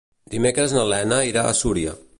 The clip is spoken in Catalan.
Dimecres na Lena irà a Súria.